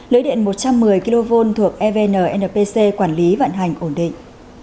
lưới điện một trăm một mươi kv thuộc evn npc quản lý vận hành ổn định